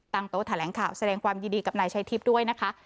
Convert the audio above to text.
โต๊ะแถลงข่าวแสดงความยินดีกับนายชัยทิพย์ด้วยนะคะ